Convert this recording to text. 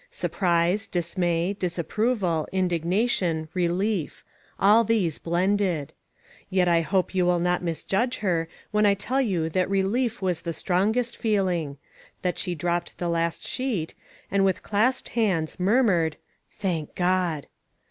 Surprise, dismay, disapproval, indig nation, relief; all these blended. Yet I hope you will not misjudge her, when I tell you that relief was the strongest feeling; that she dropped the last sheet, and with clasped hands, murmured, " Thank God."